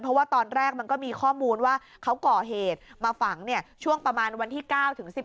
เพราะว่าตอนแรกมันก็มีข้อมูลว่าเขาก่อเหตุมาฝังเนี่ยช่วงประมาณวันที่๙ถึง๑๔